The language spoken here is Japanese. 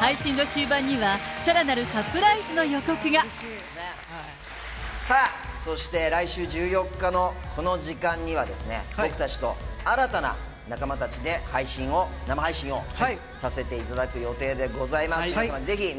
配信の終盤には、さあ、そして来週１４日のこの時間にはですね、僕たちと新たな仲間たちで配信を、生配信をさせていただく予定でございます。